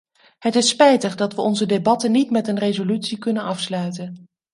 Het is spijtig dat we onze debatten niet met een resolutie kunnen afsluiten.